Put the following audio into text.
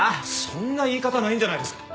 そんな言い方ないんじゃないですか？